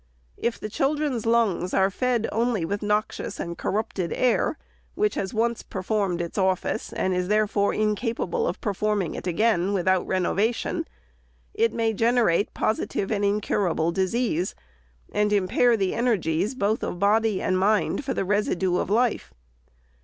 If the children's lungs are fed only with noxious and corrupted air, which has once performed its office, and is, therefore, incapable of performing it again, without renovation, it may generate positive and incura ble disease, and impair the energies both of body and mind for the residue of life.